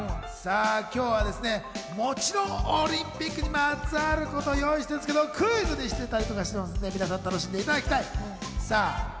今日はもちろん、オリンピックにまつわること用意してるんですけど、クイズにしますので、皆さん楽しんでください！